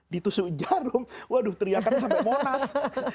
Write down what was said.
ditusuk jarum waduh teriakannya sampai monas